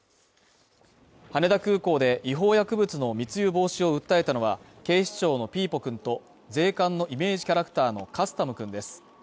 羽田空港で違法薬物の密輸防止を訴えたのは、警視庁のピーポくんと税関のイメージキャラクターのカスタム君です。